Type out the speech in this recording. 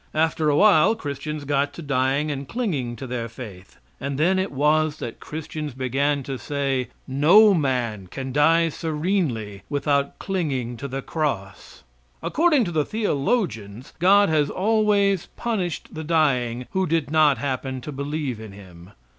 After awhile Christians got to dying and clinging to their faith; and then it was that Christians began to say: "No man can die serenely without clinging to the cross." According to the theologians, God has always punished the dying who did not happen to believe in Him.